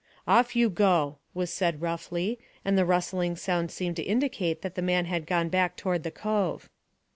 "Off you go," was said roughly, and the rustling sound seemed to indicate that the man had gone back toward the cove.